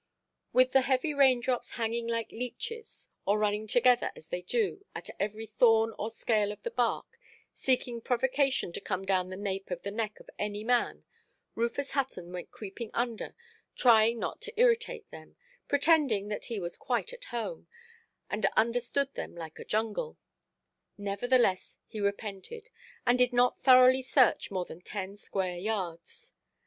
With the heavy rain–drops hanging like leeches, or running together, as they do, at every thorn or scale of the bark, seeking provocation to come down the nape of the neck of any man, Rufus Hutton went creeping under, trying not to irritate them, pretending that he was quite at home, and understood them like a jungle. Nevertheless he repented, and did not thoroughly search more than ten square yards.